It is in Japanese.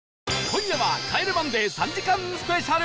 今夜は『帰れマンデー』３時間スペシャル